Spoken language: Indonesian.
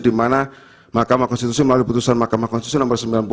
dimana makamah konstitusi melalui putusan makamah konstitusi no sembilan puluh